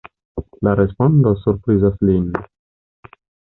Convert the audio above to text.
La respondo surprizas lin.